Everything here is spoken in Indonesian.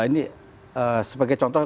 jadi ini sebagai contoh